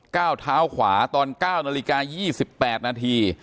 ก้าวเท้าขวาตอน๙นาฬิกา๒๘นาที